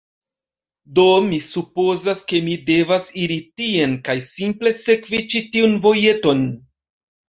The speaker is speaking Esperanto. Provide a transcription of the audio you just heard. Do, mi supozas, ke mi devas iri tien kaj simple sekvi ĉi tiun vojeton